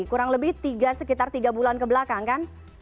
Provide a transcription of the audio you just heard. kurang lebih tiga sekitar tiga bulan ke belakang kan